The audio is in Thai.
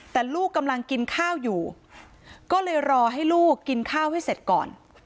แต่ลูกกำลังกินข้าวอยู่ก็เลยรอให้ลูกกินข้าวให้เสร็จก่อน